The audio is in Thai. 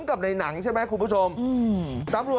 ตอนนี้ก็ยิ่งแล้ว